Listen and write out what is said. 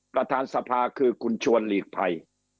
ประธานสภาคือคุณชวนหลีกภัย